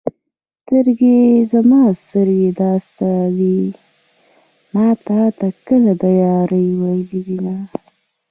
سترګې زما سترګې دا ستا دي ما تا ته کله د يارۍ ویلي دینه